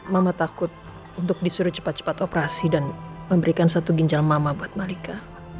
mama takut untuk disuruh cepat cepat operasi dan memberikan satu ginjal mama buat malika